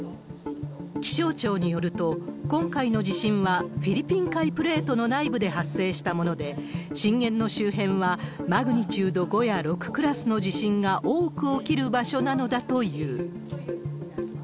気象庁によると、今回の地震はフィリピン海プレートの内部で発生したもので、震源の周辺はマグニチュード５や６クラスの地震が多く起きる場所なのだという。